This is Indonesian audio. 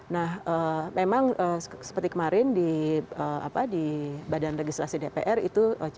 nah memang seperti kemarin di badan legislasi dpr itu